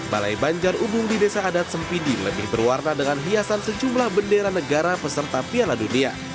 balai banjar ubung di desa adat sempidi lebih berwarna dengan hiasan sejumlah bendera negara peserta piala dunia